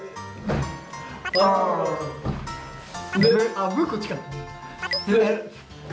あっｌこっちか。